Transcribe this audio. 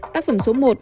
tác phẩm số một